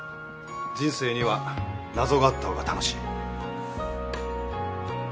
人生には謎があった方が楽しい。